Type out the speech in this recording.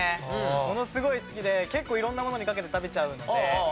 ものすごい好きで結構色んなものにかけて食べちゃうので。